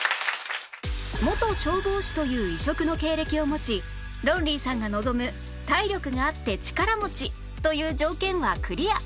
元消防士という異色の経歴を持ちロンリーさんが望む体力があって力持ちという条件はクリア